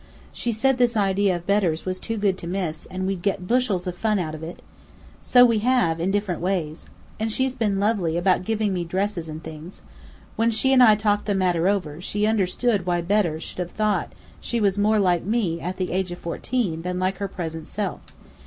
She said this idea of Bedr's was too good to miss, and we'd get bushels of fun out of it. So we have in different ways. And she's been lovely, about giving me dresses and things. When she and I talked the matter over, she understood why Bedr should have thought she was more like me, at the age of fourteen, than like her present self.